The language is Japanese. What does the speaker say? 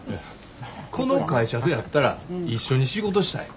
この会社とやったら一緒に仕事したい。